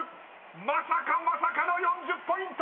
まさかまさかの４０ポイント！］